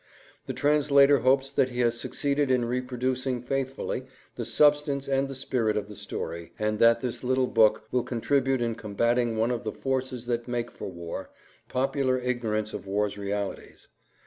The translator hopes that he has succeeded in reproducing faithfully the substance and the spirit of the story, and that this little book will contribute in combating one of the forces that make for war—popular ignorance of war's realities.